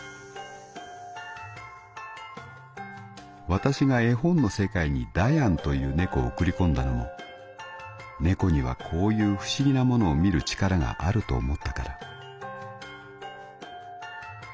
「私が絵本の世界にダヤンという猫を送り込んだのも猫にはこういう不思議なものを見る力があると思ったから」。